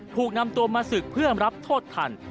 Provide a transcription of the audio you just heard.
ถูกนำตัวมาศึกเพื่อรับโทษทัน